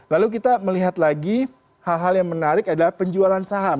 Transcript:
lalu kita melihat lagi hal hal yang menarik adalah penjualan saham